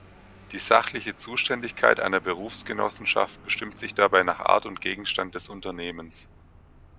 Die sachliche Zuständigkeit einer Berufsgenossenschaft bestimmt sich dabei nach Art und Gegenstand des Unternehmens.